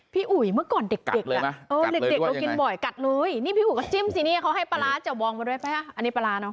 อุ๋ยเมื่อก่อนเด็กอ่ะเออเด็กเรากินบ่อยกัดเลยนี่พี่อุ๋ยก็จิ้มสิเนี่ยเขาให้ปลาร้าจับวองมาด้วยป่ะอันนี้ปลาร้าเนาะ